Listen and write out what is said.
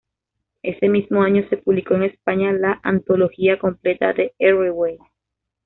Ese mismo año se publicó en España la antología completa de Erreway.